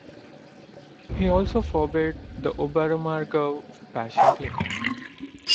He also forbade the Oberammergau Passion Play.